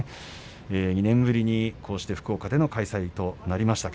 ２年ぶりにこうして福岡での開催となりました。